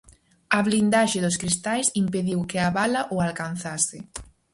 A blindaxe dos cristais impediu que a bala o alcanzase.